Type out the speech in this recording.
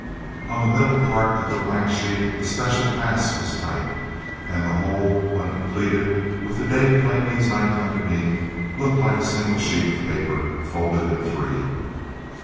On the middle part of the blank sheet the "Special Pass" was typed, and the whole when completed, with the date plainly typed underneath, looked like a single sheet of paper folded in three.